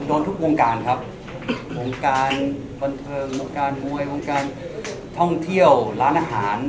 โดนทุกวงการครับวงการบันเทิงวงการมวยวงการท่องเที่ยวร้านอาหาร